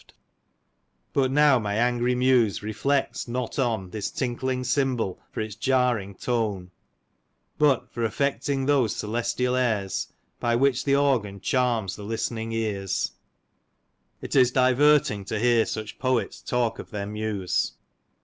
»* mm * Hi "But know, my angry muse reflects not on This tinkling cymbal for its jarring tone: But for affecting those celestial airs By which the organ charms the list'ning ears'' It is diverting to hear such poets talk of their Muse.